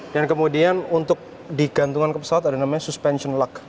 dan kemudian untuk digantungan ke pesawat ada namanya suspension lug